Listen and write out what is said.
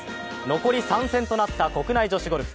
残り３戦となった国内女子ゴルフ。